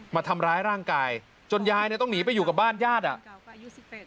มาทำร้ายร่างกายจนยายต้องหนีไปอยู่กับบ้านญาติ